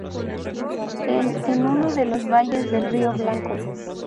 En "En uno de los valles del Río Blanco".